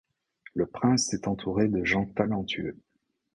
Le prince sait s’entourer de gens talentueux.